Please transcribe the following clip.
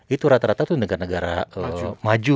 itu rata rata itu negara negara maju